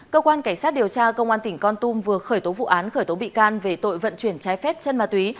cơ quan cảnh sát điều tra công an tỉnh con tum vừa khởi tố vụ án khởi tố bị can về tội vận chuyển trái phép chân ma túy